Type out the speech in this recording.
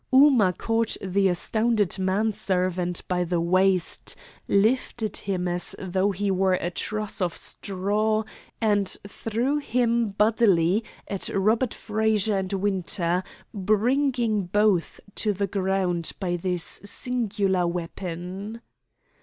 Ooma caught the astounded man servant by the waist, lifted him as though he were a truss of straw, and threw him bodily at Robert Frazer and Winter, bringing both to the ground by this singular weapon.